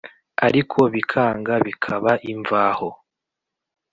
ariko bikanga bikaba imvaho